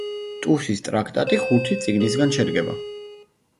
ტუსის ტრაქტატი ხუთი წიგნისაგან შედგება.